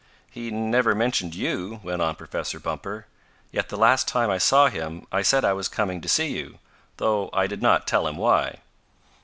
"He never mentioned you," went on Professor Bumper; "yet the last time I saw him I said I was coming to see you, though I did not tell him why."